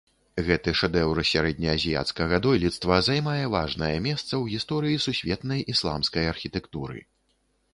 Гэты шэдэўр сярэднеазіяцкага дойлідства займае важнае месца ў гісторыі сусветнай ісламскай архітэктуры.